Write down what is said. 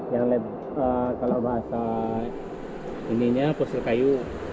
yang kalau bahasa ininya fosil kayu